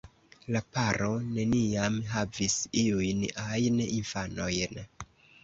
La paro neniam havis iujn ajn infanojn.